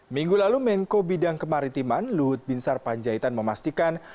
minggu lalu mengko bidang kemaritiman luhut binsar panjaitan memastikan